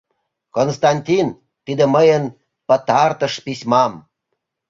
«Константин, тиде мыйын пытартыш письмам.